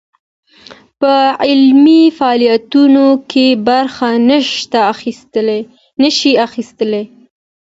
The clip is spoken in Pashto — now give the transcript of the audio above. په علمي فعاليتونو کې برخه نه شي اخىستى